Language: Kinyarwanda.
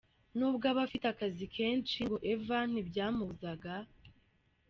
Nubwo aba afite akazi kenshi ngo Eva ntibyamubuzaga.